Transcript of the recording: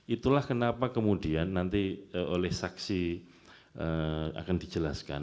itulah kenapa kemudian nanti oleh saksi akan dijelaskan